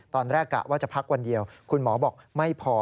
กะว่าจะพักวันเดียวคุณหมอบอกไม่พอ